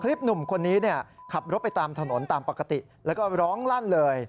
คลิปหนุ่มคนนี้ขับรถไปตามถนนตามปกติแล้วก็ร้องลั่นเลย